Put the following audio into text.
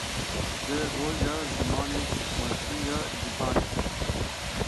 Di Roja Zimanê Zikmakî ya Cihanê De